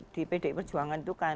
di pdp perjuangan itu